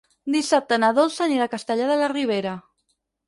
Dissabte na Dolça anirà a Castellar de la Ribera.